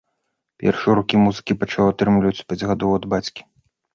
Першыя ўрокі музыкі пачаў атрымліваць у пяць гадоў ад бацькі.